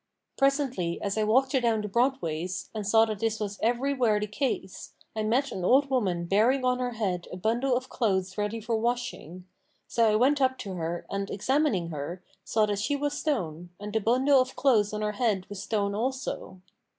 Presently, as I walked adown the broad ways, and saw that this was every where the case, I met an old woman bearing on her head a bundle of clothes ready for washing; so I went up to her and examining her, saw that she was stone, and the bundle of clothes on her head was stone also.